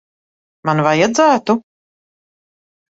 Man vajadzētu?